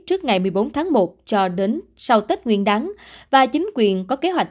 trước ngày một mươi bốn tháng một cho đến sau tết nguyên đáng và chính quyền có kế hoạch